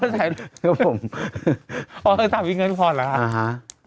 อ๋อสามีเงินพ่อนแล้วฮะ